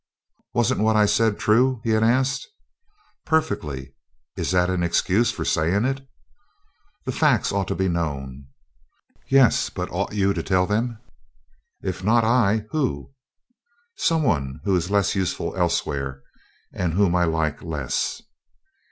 "Wasn't what I said true?" he had asked. "Perfectly. Is that an excuse for saying it?" "The facts ought to be known." "Yes, but ought you to tell them?" "If not I, who?" "Some one who is less useful elsewhere, and whom I like less."